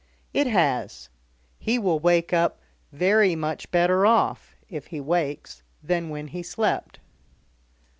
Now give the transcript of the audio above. "It has. He will wake up very much better off if he wakes than when he slept."